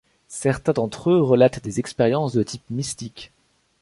Certains d'entre eux relatent des expériences de type mystique.